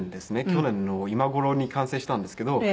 去年の今頃に完成したんですけど。